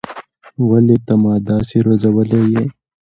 ولې ته ما داسې روزلى يې.